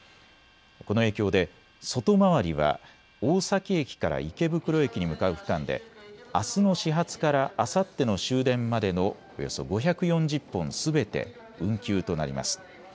この影響で外回りは大崎駅から池袋駅に向かう区間であすの始発からあさっての終電までのおよそ５４０本すべて運休となります。